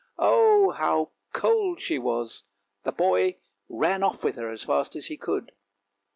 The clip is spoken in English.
Oh how cold she was, the boy ran off with her as fast as he could.